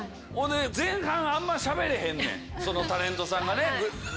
前半あんましゃべれへんねんそのタレントさんがね。